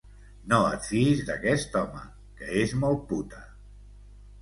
No et fiïs d'aquest home, que és molt puta.